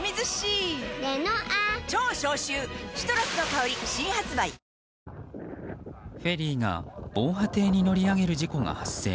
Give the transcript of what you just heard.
「ほんだし」でフェリーが防波堤に乗り上げる事故が発生。